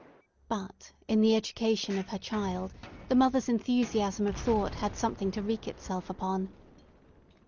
But, in the education of her child, the mother's enthusiasm of thought had something to wreak itself upon.